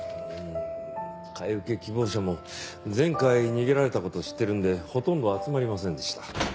買い受け希望者も前回逃げられた事を知ってるんでほとんど集まりませんでした。